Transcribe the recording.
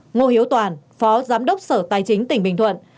ngô hiếu toàn phó giám đốc sở tài chính tỉnh bình thuận